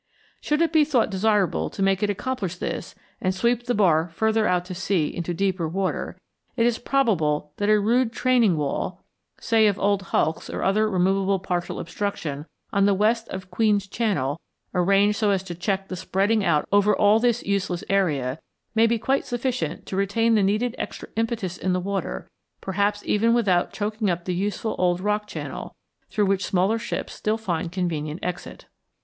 Should it be thought desirable to make it accomplish this, and sweep the Bar further out to sea into deeper water, it is probable that a rude training wall (say of old hulks, or other removable partial obstruction) on the west of Queen's Channel, arranged so as to check the spreading out over all this useless area, may be quite sufficient to retain the needed extra impetus in the water, perhaps even without choking up the useful old Rock Channel, through which smaller ships still find convenient exit.